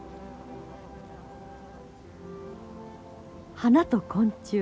花と昆虫。